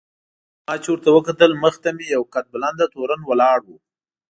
ما چې ورته وکتل مخې ته مې یو قد بلنده تورن ولاړ و.